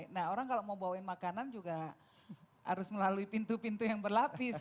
nah orang kalau mau bawain makanan juga harus melalui pintu pintu yang berlapis